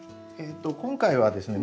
今回はですね